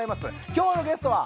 今日のゲストは！